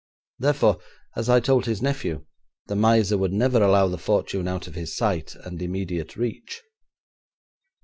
Therefore, as I told his nephew, the miser would never allow the fortune out of his sight and immediate reach.